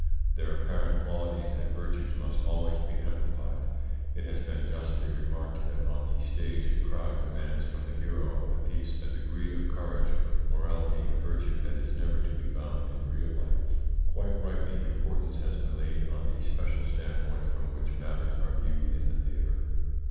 Their apparent qualities and virtues must always be amplified. It has been justly remarked that on the stage a crowd demands from the hero of the piece a degree of courage, morality, and virtue that is never to be found in real life. Quite rightly importance has been laid on the special standpoint from which matters are viewed in the theatre.